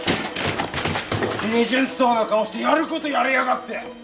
清純そうな顔してやることやりやがって！